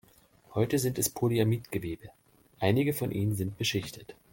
Heute sind es Polyamid-Gewebe; einige von ihnen sind beschichtet.